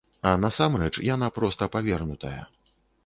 А насамрэч яна проста павернутая.